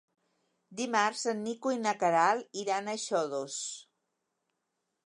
Dimarts en Nico i na Queralt iran a Xodos.